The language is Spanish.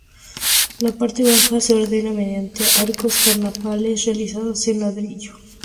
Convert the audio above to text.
La parte baja se ordena mediante arcos carpaneles realizados en ladrillo.